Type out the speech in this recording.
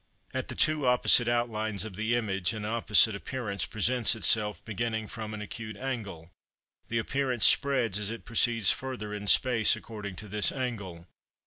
At the two opposite outlines of the image an opposite appearance presents itself, beginning from an acute angle; the appearance spreads as it proceeds further in space, according to this angle.